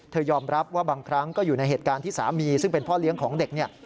ยอมรับว่าบางครั้งก็อยู่ในเหตุการณ์ที่สามีซึ่งเป็นพ่อเลี้ยงของเด็กเนี่ย